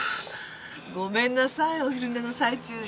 ごめんなさいお昼寝の最中に。